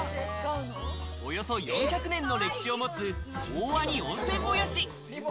およそ４００年の歴史を持つ、大鰐温泉もやし。